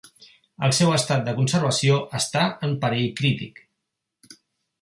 El seu estat de conservació està en perill crític.